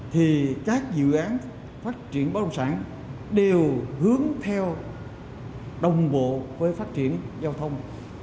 thì các dự án phát triển bất động sản đều hướng theo đồng bộ với phát triển giao thông